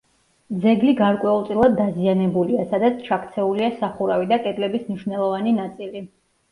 ძეგლი გარკვეულწილად დაზიანებულია, სადაც ჩაქცეულია სახურავი და კედლების მნიშვნელოვანი ნაწილი.